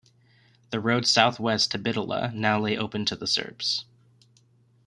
The road southwest to Bitola now lay open to the Serbs.